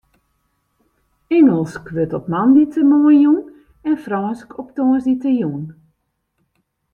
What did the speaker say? Ingelsk wurdt op moandeitemoarn jûn en Frânsk op tongersdeitejûn.